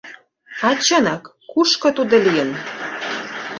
— А чынак, кушко тудо лийын?